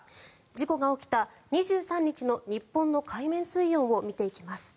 事故が起きた２３日の日本の海面水温を見ていきます。